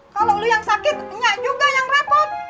kalau lu yang sakit enggak juga yang repot